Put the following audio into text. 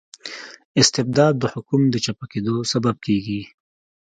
استبداد د حکوم د چپه کیدو سبب کيږي.